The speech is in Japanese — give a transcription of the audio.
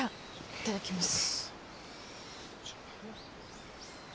いただきます。